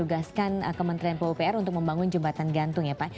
tugaskan kementerian pupr untuk membangun jembatan gantung ya pak